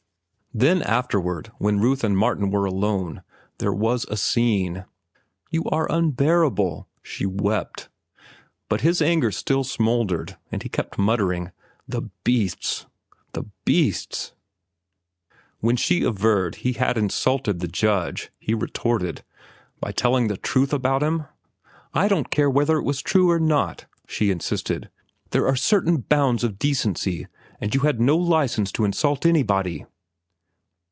Then afterward, when Ruth and Martin were alone, there was a scene. "You are unbearable," she wept. But his anger still smouldered, and he kept muttering, "The beasts! The beasts!" When she averred he had insulted the judge, he retorted: "By telling the truth about him?" "I don't care whether it was true or not," she insisted. "There are certain bounds of decency, and you had no license to insult anybody."